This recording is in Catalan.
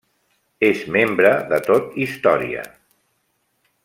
És membre de Tot Història.